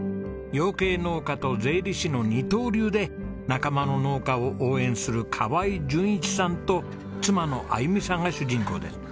養鶏農家と税理士の二刀流で仲間の農家を応援する川合淳一さんと妻のあゆみさんが主人公です。